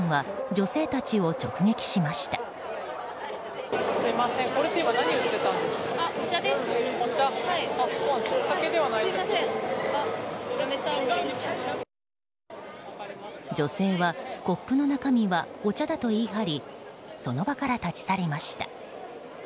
女性はコップの中身はお茶だと言い張りその場から立ち去りました。